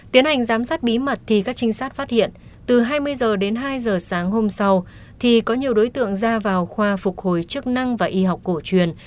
tiến hành giám sát bí mật thì các trinh sát phát hiện từ hai mươi h đến hai h sáng hôm sau thì có nhiều đối tượng ra vào khoa phục hồi chức năng và y học cổ truyền